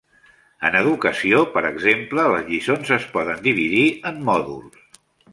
En educació, per exemple, les lliçons es poden dividir en mòduls.